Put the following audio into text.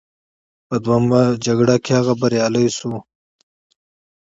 په دویمه جګړه کې هغه بریالی شو.